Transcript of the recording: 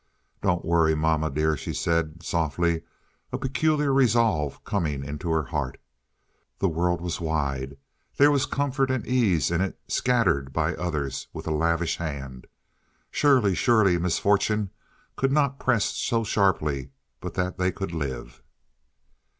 "Don't worry, mamma dear," she said, softly, a peculiar resolve coming into her heart. The world was wide. There was comfort and ease in it scattered by others with a lavish hand. Surely, surely misfortune could not press so sharply but that they could live!